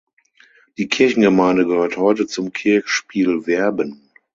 Die Kirchengemeinde gehört heute zum Kirchspiel Werben.